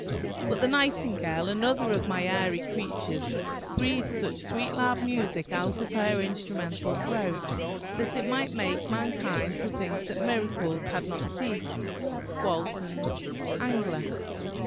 "But the nightingale, another of my airy creatures, breathes such sweet loud music out of her instrumental throat, that it might make mankind to think that miracles had not ceased."–WALTON'S Angler.